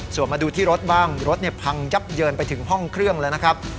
ส่วนมาดูที่รถบ้างรถพังยับเยินไปถึงห้องเครื่องแล้วนะครับ